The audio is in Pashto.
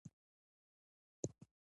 کاناډا د څیړنې مرکزونه لري.